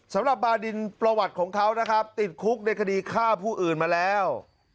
สำหรับบาดินประวัติของเขานะครับติดคุกในคดีฆ่าผู้อื่นมาแล้ว